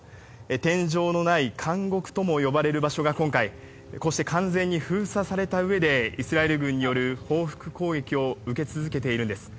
天井のない監獄とも呼ばれる場所が、今回こうして完全に封鎖されたうえでイスラエル軍による報復攻撃を受け続けているんです。